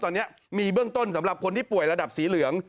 ตอนนี้มีเบื้องต้นสำหรับคนที่ป่วยระดับสีเหลือง